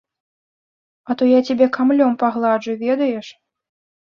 А то я цябе камлём пагладжу, ведаеш?